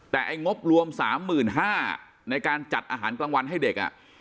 แต่ไอ้งบรวม๓๕๐๐บาทในการจัดอาหารกลางวันให้เด็ก